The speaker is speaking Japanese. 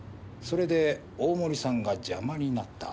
それで大森さんが邪魔になった。